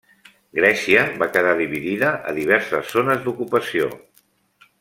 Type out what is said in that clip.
Grècia va quedar dividida a diverses zones d'ocupació.